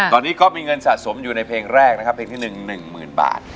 ตอนนี้ก็มีเงินสะสมอยู่ในเพลงแรกนะครับเพลงที่๑๑๐๐๐บาท